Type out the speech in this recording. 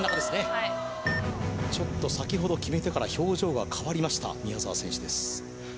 はいちょっと先ほどきめてから表情が変わりました宮澤選手です